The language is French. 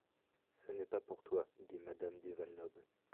Ce n’est pas pour toi ?… dit madame du Val-Noble.